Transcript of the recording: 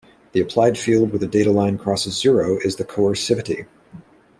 The applied field where the data line crosses zero is the coercivity.